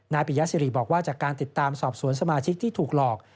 ปิยสิริบอกว่าจากการติดตามสอบสวนสมาชิกที่ถูกหลอก